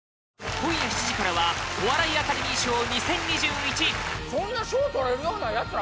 今夜７時からは「お笑いアカデミー賞２０２１」